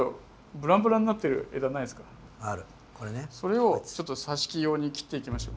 それをさし木用に切っていきましょう。